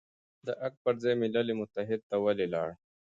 د ارګ پر ځای ملل متحد ته ولې لاړ،